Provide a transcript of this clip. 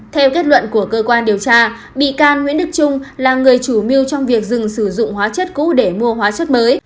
theo kết luận của cơ quan điều tra bị can nguyễn đức trung là người chủ mưu trong việc dừng sử dụng hóa chất cũ để mua hóa chất mới